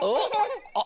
あっ。